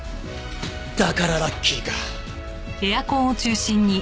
だからラッキーか。